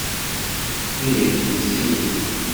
Ih, sin.